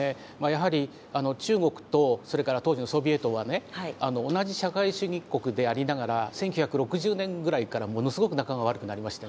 やはり中国とそれから当時のソビエトはね同じ社会主義国でありながら１９６０年ぐらいからものすごく仲が悪くなりましてね